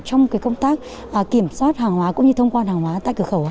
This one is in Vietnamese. trong công tác kiểm soát hàng hóa cũng như thông quan hàng hóa tại cửa khẩu